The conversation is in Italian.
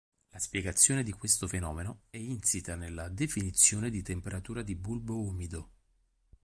La spiegazione di questo fenomeno è insita nella definizione di temperatura di bulbo umido.